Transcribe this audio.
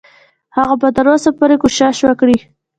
هغه به تر اوسه پورې کوشش وکړي.